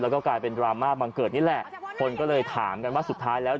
แล้วก็กลายเป็นดราม่าบังเกิดนี่แหละคนก็เลยถามกันว่าสุดท้ายแล้ว